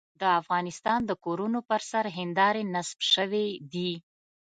د افغانستان د کورونو پر سر هندارې نصب شوې دي.